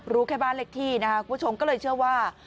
รู้แค่บ้านเล็กที่นะครับคุณผู้ชมก็เลยเชื่อว่า